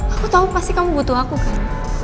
aku tahu pasti kamu butuh aku kan